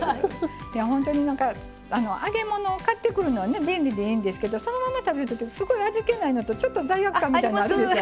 ほんとに揚げ物を買ってくるのは便利でいいんですけどそのまま食べるとすごい味気ないのとちょっと罪悪感みたいなのあるでしょ。